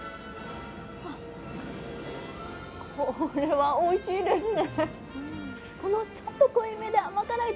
これはおいしいですね。